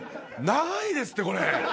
長いですって、これ。